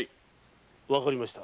わかりました。